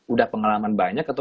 udah pengalaman banyak atau